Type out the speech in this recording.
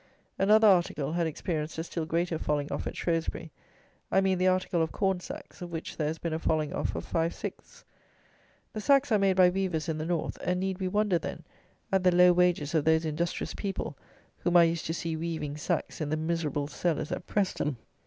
Another article had experienced a still greater falling off at Shrewsbury; I mean the article of corn sacks, of which there has been a falling off of five sixths. The sacks are made by weavers in the North; and need we wonder, then, at the low wages of those industrious people, whom I used to see weaving sacks in the miserable cellars at Preston!